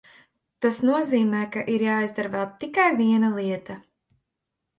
Tas nozīmē, ka ir jāizdara vēl tikai viena lieta.